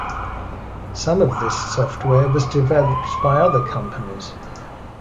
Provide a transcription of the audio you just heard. Some of this software was developed by other companies.